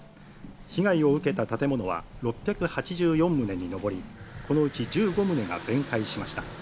被害を受けた建物は６８４棟に上り、このうち１５棟が全壊しました。